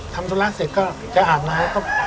ทำตัวล่าเสร็จก็จะอาบมา